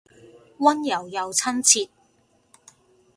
溫柔又親切